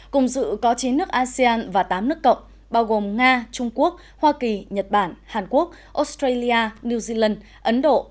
cùng dự có chín nước asean và tám nước cộng bao gồm nga trung quốc hoa kỳ nhật bản hàn quốc australia new zealand ấn độ